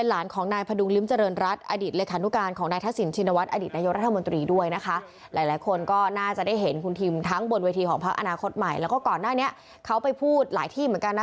แล้วก็ก่อนหน้านี้เขาไปพูดหลายที่เหมือนกันนะ